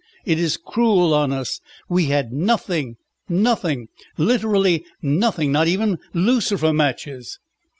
It is cruel on us. We had nothing, nothing, literally nothing, not even lucifer matches!"